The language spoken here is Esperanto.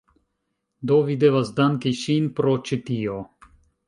Do, vi devas danki ŝin pro ĉi tio